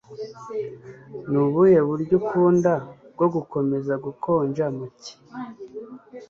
nubuhe buryo ukunda bwo gukomeza gukonja mu cyi